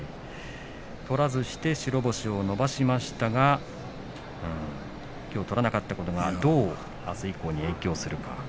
取らずして白星を伸ばしましたが取らなかったことがどうあす以降に影響するか。